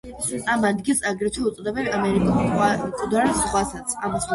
ამ ადგილს აგრეთვე უწოდებენ ამერიკულ „მკვდარ ზღვასაც“.